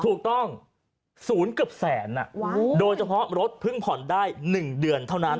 ถูกต้อง๐เกือบแสนโดยเฉพาะรถเพิ่งผ่อนได้๑เดือนเท่านั้น